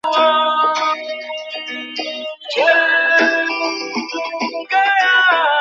আজ রাতের বিষয়টা খেয়াল রাখো।